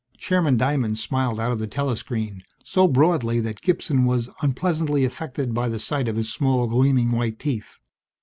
Chairman Diamond smiled out of the telescreen, so broadly that Gibson was unpleasantly affected by the sight of his small, gleaming, white teeth.